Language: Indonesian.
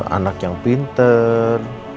anak yang pinter